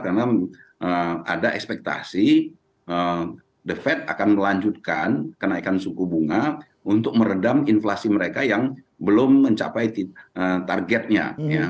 karena ada ekspektasi the fed akan melanjutkan kenaikan suku bunga untuk meredam inflasi mereka yang belum mencapai targetnya